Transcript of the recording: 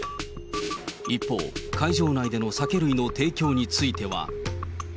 一方、会場内での酒類の提供については。